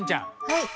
はい。